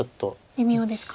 微妙ですか。